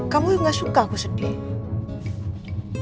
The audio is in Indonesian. kamu gak suka aku sedih